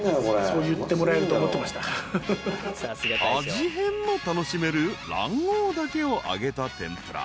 ［味変も楽しめる卵黄だけを揚げた天ぷら］